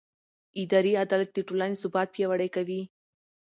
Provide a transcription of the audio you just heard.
اداري عدالت د ټولنې ثبات پیاوړی کوي.